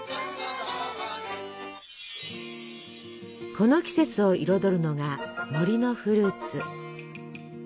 この季節を彩るのが森のフルーツ。